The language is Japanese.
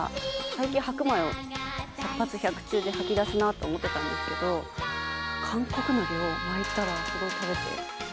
最近、白米を百発百中で吐き出すなと思ってたんですけど、韓国のりを巻いたらすごい食べて。